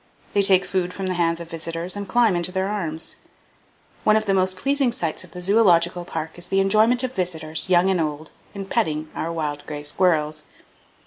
They take food from the hands of visitors, and climb into their arms. One of the most pleasing sights of the Zoological Park is the enjoyment of visitors, young and old, in "petting" our wild gray squirrels.